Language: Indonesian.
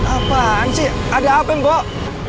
apaan sih ada apa mbok